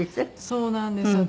そうなんですよ。